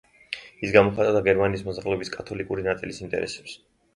ის გამოხატავდა გერმანიის მოსახლეობის კათოლიკური ნაწილის ინტერესებს.